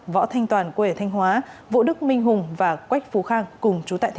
võ thanh toàn quê ở thanh hóa vũ đức minh hùng và quách phú khánh